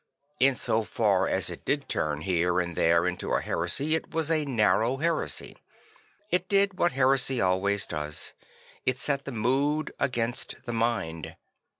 In so far as it did turn here and there into a heresy, it was a narrow heresy. It did what heresy always does; it set the mood against the mind.